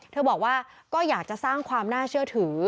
บอกว่าก็อยากจะสร้างความน่าเชื่อถือ